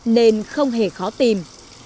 nên không hề khó tìm